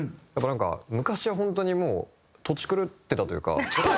昔は本当にもうとち狂ってたというか。